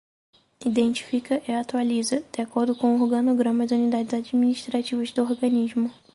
Identifica e atualiza, de acordo com o organograma, as unidades administrativas do organismo.